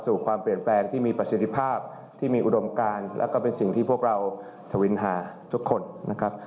สู่ความเปลี่ยนแปลงที่มีประสิทธิภาพที่มีอุดมการแล้วก็เป็นสิ่งที่พวกเราทวินหาทุกคนนะครับ